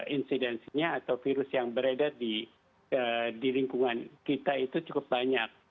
insidensinya atau virus yang beredar di lingkungan kita itu cukup banyak